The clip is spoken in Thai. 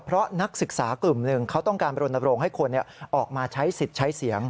เพราะนักศึกษากลุ่มหนึ่งเขาต้องการรณรงค์ให้คนออกมาใช้สิทธิ์ใช้เสียง